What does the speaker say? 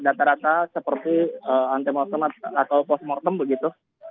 rata rata seperti antemortem atau post mortem begitu